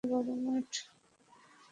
কী বড় মাঠ!